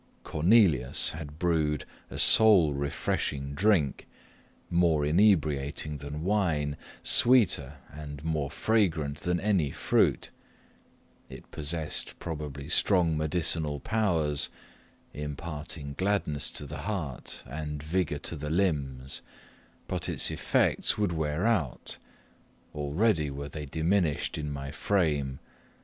Cornelius had brewed a soul refreshing drink more inebriating than wine sweeter and more fragrant than any fruit: it possessed probably strong medicinal powers, imparting gladness to the heart and vigor to the limbs; but its effects would wear out; already were they diminished in my frame.